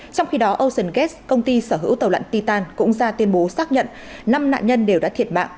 trong khi đó ocean gaz công ty sở hữu tàu lặn titan cũng ra tuyên bố xác nhận năm nạn nhân đều đã thiệt mạng